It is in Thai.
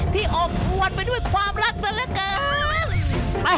ที่ออกรวดไปด้วยความรักเสียละกัน